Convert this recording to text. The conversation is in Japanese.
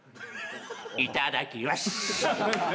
いただきます。